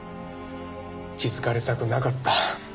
気づかれたくなかった。